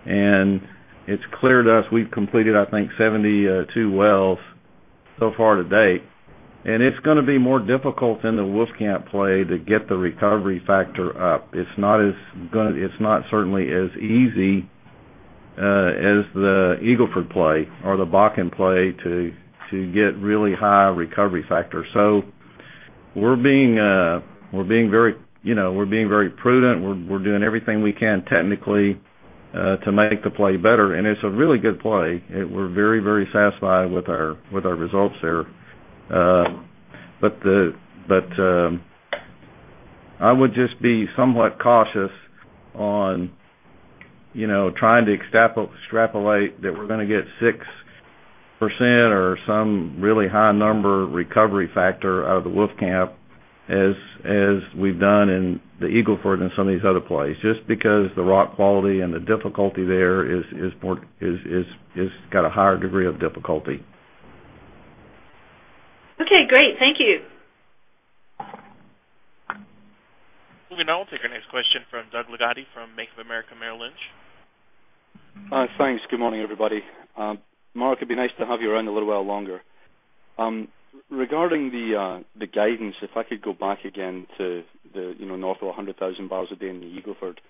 It's clear to us, we've completed, I think, 72 wells so far to date. It's going to be more difficult in the Wolfcamp play to get the recovery factor up. It's not certainly as easy as the Eagle Ford play or the Bakken play to get really high recovery factor. We're being very prudent. We're doing everything we can technically to make the play better. It's a really good play. We're very satisfied with our results there. I would just be somewhat cautious on trying to extrapolate that we're going to get 6% or some really high number recovery factor out of the Wolfcamp as we've done in the Eagle Ford and some of these other plays, just because the rock quality and the difficulty there has got a higher degree of difficulty. Okay, great. Thank you. Moving on, we'll take our next question from Doug Leggate from Bank of America Merrill Lynch. Hi, thanks. Good morning, everybody. Mark, it'd be nice to have you around a little while longer. Regarding the guidance, if I could go back again to the north of 100,000 barrels a day in the Eagle Ford.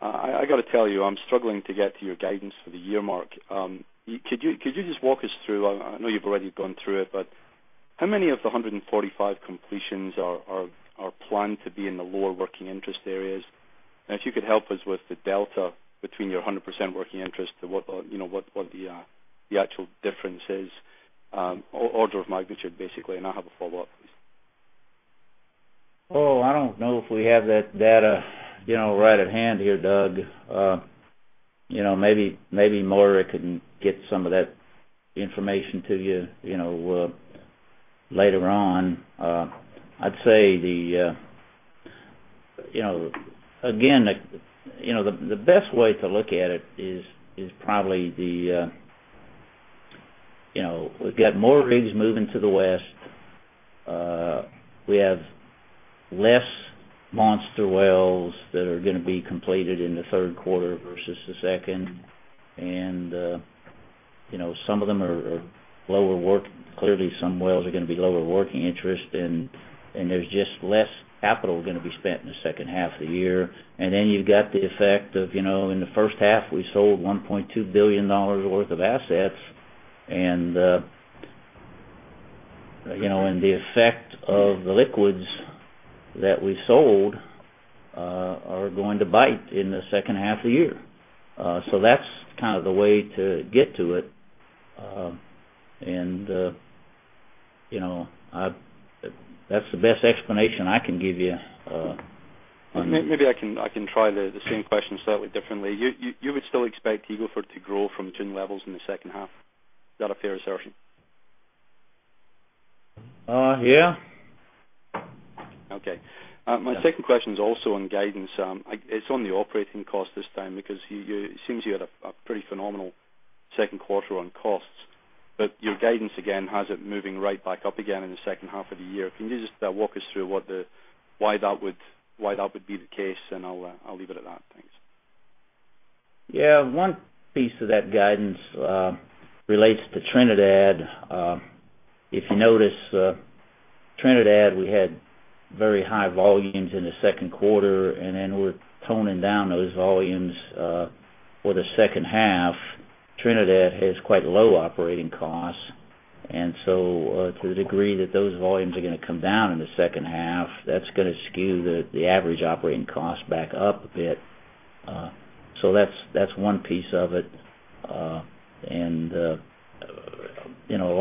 I've got to tell you, I'm struggling to get to your guidance for the year, Mark. Could you just walk us through, I know you've already gone through it, but how many of the 145 completions are planned to be in the lower working interest areas? If you could help us with the delta between your 100% working interest to what the actual difference is, order of magnitude, basically. I have a follow-up, please. I don't know if we have that data right at hand here, Doug. Maybe Moira can get some of that information to you later on. I'd say, again, the best way to look at it is probably we've got more rigs moving to the west. We have less monster wells that are going to be completed in the third quarter versus the second. Clearly some wells are going to be lower working interest, and there's just less capital going to be spent in the second half of the year. Then you've got the effect of, in the first half, we sold $1.2 billion worth of assets. The effect of the liquids that we sold are going to bite in the second half of the year. That's kind of the way to get to it. That's the best explanation I can give you. Maybe I can try the same question slightly differently. You would still expect Eagle Ford to grow from June levels in the second half. Is that a fair assertion? Yeah. Okay. My second question is also on guidance. It's on the operating cost this time, because it seems you had a pretty phenomenal second quarter on costs. Your guidance, again, has it moving right back up again in the second half of the year. Can you just walk us through why that would be the case, and I'll leave it at that. Thanks. Yeah. One piece of that guidance relates to Trinidad. If you notice, Trinidad, we had very high volumes in the second quarter, we're toning down those volumes for the second half. Trinidad has quite low operating costs, to the degree that those volumes are going to come down in the second half, that's going to skew the average operating cost back up a bit. That's one piece of it. A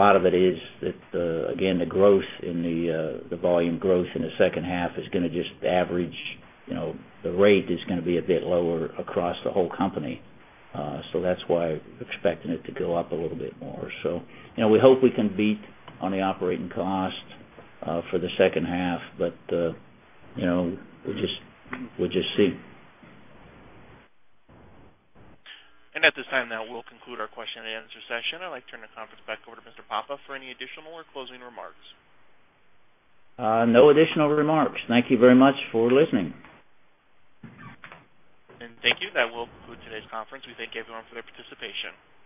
lot of it is that, again, the volume growth in the second half is going to just average. The rate is going to be a bit lower across the whole company. That's why we're expecting it to go up a little bit more. We hope we can beat on the operating cost for the second half, we'll just see. At this time now, we'll conclude our question and answer session. I'd like to turn the conference back over to Mr. Papa for any additional or closing remarks. No additional remarks. Thank you very much for listening. Thank you. That will conclude today's conference. We thank everyone for their participation.